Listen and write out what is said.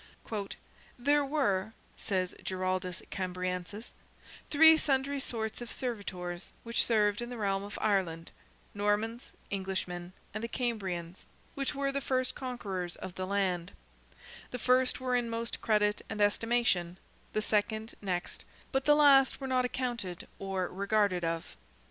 "There were," says Giraldus Cambriensis, "three sundry sorts of servitors which served in the realm of Ireland, Normans, Englishmen, and the Cambrians, which were the first conquerors of the land: the first were in most credit and estimation, the second next, but the last were not accounted or regarded of."